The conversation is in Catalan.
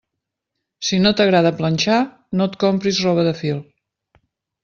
Si no t'agrada planxar, no et compris roba de fil.